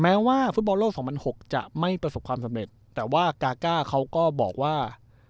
แม้ว่าฟุตบอลโลกสองพันหกจะไม่ประสบความสำเร็จแต่ว่ากาก้าเขาก็บอกว่า